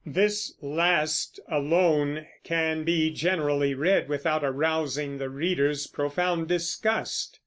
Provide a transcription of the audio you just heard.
This last alone can be generally read without arousing the readers profound disgust.